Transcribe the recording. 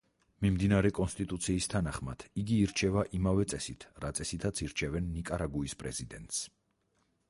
მიმდინარე კონსტიტუციის თანახმად იგი ირჩევა იმავე წესით რა წესითაც ირჩევენ ნიკარაგუის პრეზიდენტს.